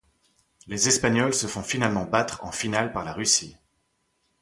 Les Espagnols se font finalement battre en finale par la Russie.